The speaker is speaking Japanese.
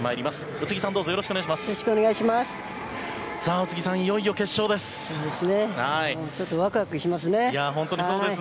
宇津木さん、いよいよ決勝です。